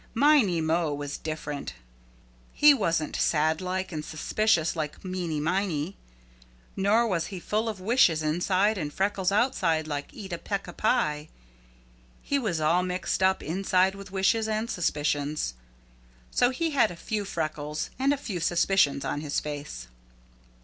Miney Mo was different. He wasn't sad like and suspicious like Meeny Miney. Nor was he full of wishes inside and freckles outside like Eeta Peeca Pie. He was all mixed up inside with wishes and suspicions. So he had a few freckles and a few suspicions on his face.